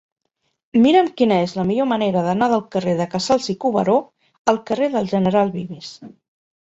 Mira'm quina és la millor manera d'anar del carrer de Casals i Cuberó al carrer del General Vives.